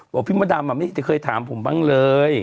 พี่มดดำไม่เคยถามผมบ้างเลย